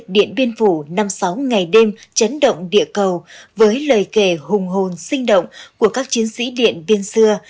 điện biên phủ năm sáu ngày đêm chấn động địa cầu với lời kể hùng hồn sinh động của các chiến sĩ điện biên xưa